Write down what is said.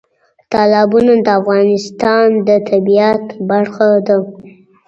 تالابونه د افغانستان د طبیعت برخه ده.